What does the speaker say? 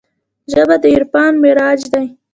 ژبه د عرفان معراج دی